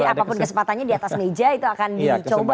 jadi apapun kesempatannya di atas meja itu akan dicoba ya